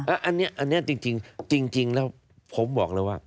อันนี้จริงแล้วผมบอกเลยว่า